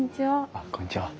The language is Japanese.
あっこんにちは。